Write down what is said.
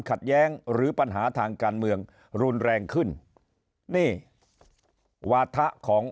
ขัดแย้งหรือปัญหาทางการเมืองรุนแรงขึ้นนี่วาถะของ